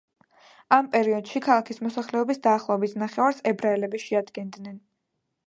ამ პერიოდში, ქალაქის მოსახლეობის დაახლოებით ნახევარს ებრაელები შეადგენდნენ.